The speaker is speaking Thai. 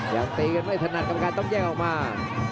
อย่างตีกันไม่ถนัดกำคันต้องแย่งออกมา